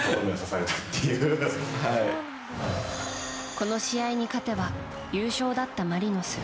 この試合に勝てば優勝だったマリノス。